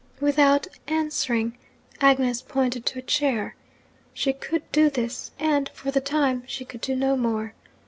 Without answering, Agnes pointed to a chair. She could do this, and, for the time, she could do no more.